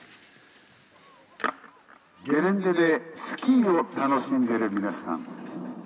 ゲレンデでスキーを楽しんでる皆さん。